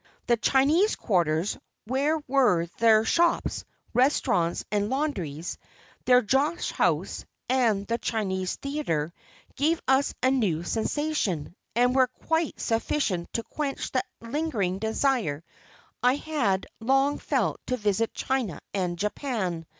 The Chinese quarters, where were their shops, restaurants and laundries, their Joss House, and the Chinese Theatre, gave us a new sensation, and were quite sufficient to quench a lingering desire I had long felt to visit China and Japan.